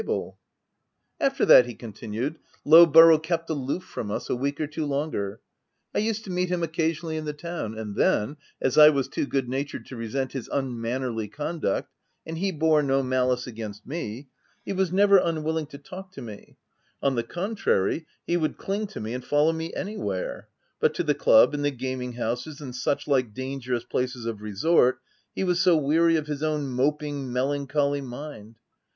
44 THE TENANT " After that," he continued, " Lowborough kept aloof from us a week or two longer. I used to meet him occasionally in the town ; and then, as I was too good natured to resent his unmannerly conduct, and he bore no malice against me, — he was never unwilling to talk to me ; on the contrary, he would cling to me and follow me anywhere, — but to the club, and the gaming houses, and such like dangerous places of resort — he was so weary of his own moping, melancholy mind.